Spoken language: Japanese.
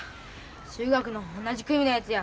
中学の同じ組のやつや。